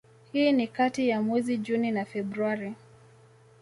hii ni kati ya mwezi Juni na Februari